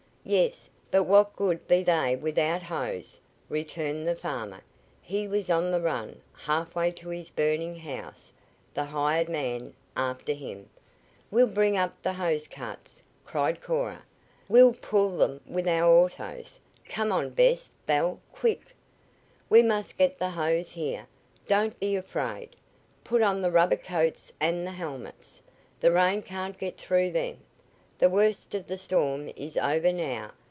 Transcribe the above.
"Yes. But what good be they without hose?" returned the farmer. He was on the run, halfway to his burning house, the hired man after him. "We'll bring up the hose carts!" cried Cora. "We'll pull them with our autos! Come on, Bess Belle quick! We must get the hose here! Don't be afraid. Put on the rubber coats and the helmets. The rain can't get through them. The worst of the storm is over now.